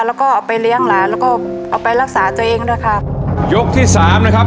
แล้วก็เอาไปเลี้ยงหลานแล้วก็เอาไปรักษาตัวเองด้วยค่ะยกที่สามนะครับ